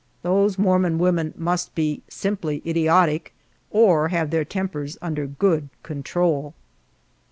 These mormon women must be simply idiotic, or have their tempers under good control!